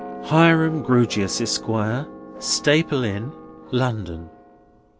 "Hiram Grewgious, Esquire, Staple Inn, London."